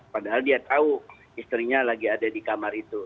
padahal dia tahu istrinya lagi ada di kamar itu